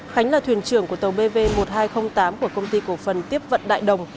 khánh là thuyền trưởng của tàu bv một nghìn hai trăm linh tám của công ty cổ phần tiếp vận đại đồng